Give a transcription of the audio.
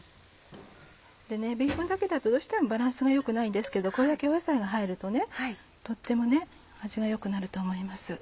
ビーフンだけだとどうしてもバランスが良くないんですけどこれだけ野菜が入るととっても味が良くなると思います。